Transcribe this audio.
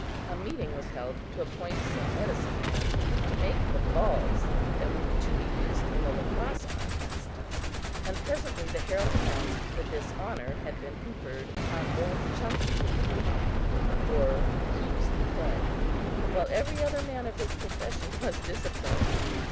A meeting was held to appoint some "medicine man" to make the balls that were to be used in the lacrosse contest; and presently the herald announced that this honor had been conferred upon old Chankpee yuhah, or "Keeps the Club," while every other man of his profession was disappointed.